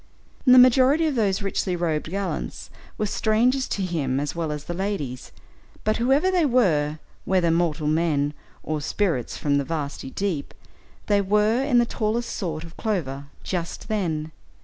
The majority of those richly robed gallants were strangers to him as well as the ladies, but whoever they were, whether mortal men or "spirits from the vasty deep," they were in the tallest sort of clover just then.